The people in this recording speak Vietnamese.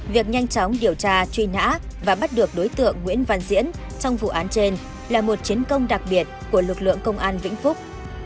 việc nhanh chóng điều tra truy nã và bắt được đối tượng nguyễn văn diễn trong vụ án trên là một chiến công đặc biệt của lực lượng công an vĩnh phúc